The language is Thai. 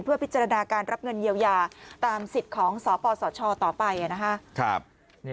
เพื่อพิจารณาการรับเงินเยียวยาตามสิทธิ์ของสปสชต่อไปนะครับ